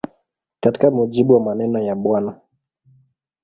Katika mujibu wa maneno ya Bw.